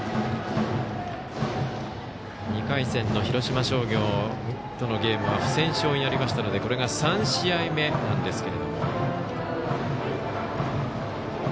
２回戦の広島商業とのゲームは不戦勝になりましたのでこれが３試合目なんですけれども。